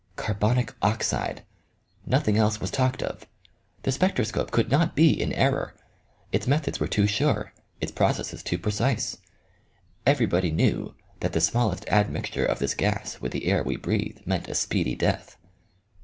Carbonic oxide ! Nothing else was talked of. The spectroscope could not be in error. Its methods were too sure, its processes too precise. Hverybody knew that the smallest admixture of this gas with the air we breathe meant a speedy death.